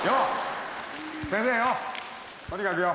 先生よとにかくよ